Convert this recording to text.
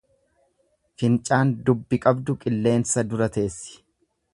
Fincaan dubbi qabdu qilleensa dura teessi.